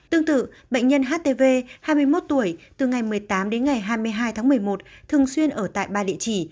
tương tự bệnh nhân htv hai mươi một tuổi từ ngày một mươi tám đến ngày hai mươi hai tháng một mươi một thường xuyên ở tại ba địa chỉ